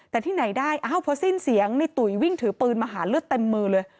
แต่ที่ไหนได้อ้าวพอสิ้นเสียงในตุ๋ยวิ่งถือปืนมาหาเลือดเต็มมือเลย